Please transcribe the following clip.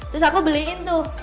terus aku beliin tuh